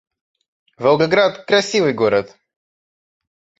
Волгоград — красивый город